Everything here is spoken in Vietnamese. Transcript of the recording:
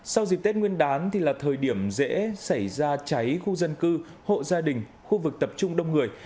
sau dịp tết nguyên đán thì là thời điểm dễ xảy ra cháy khu dân cư hộ gia đình khu vực tập trung đông người